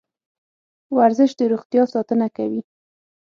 ورزش د روغتیا ساتنه کوي.